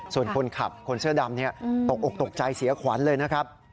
ส่วนคนขับคนเสื้อดำตกอกตกใจเสียขวัญเลยนะครับ